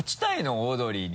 オードリーに。